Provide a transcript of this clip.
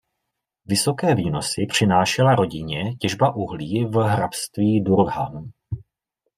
Vysoké výnosy přinášela rodině těžba uhlí v hrabství Durham.